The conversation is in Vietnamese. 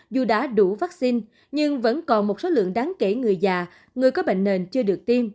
dù đã đủ vaccine nhưng vẫn còn một số lượng đáng kể người già người có bệnh nền chưa được tiêm